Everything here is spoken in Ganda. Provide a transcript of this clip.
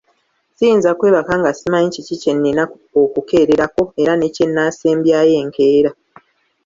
Siyinza kwebaka nga simanyi kiki kye nnina okukeererako era ne kye naasembayo enkeera.